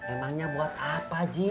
emangnya buat apa ji